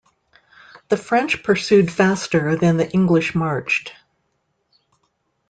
The French pursued faster than the English marched.